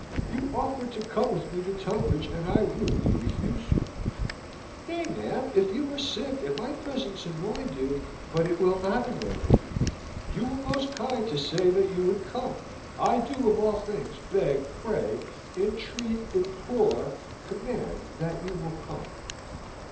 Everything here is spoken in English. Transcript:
You offered to come with me to Tunbridge, and I rudely refused you." "Nay, ma'am, if you were sick, and my presence annoyed you... "But it will not annoy me! You were most kind to say that you would come. I do, of all things, beg, pray, entreat, implore, command that you will come."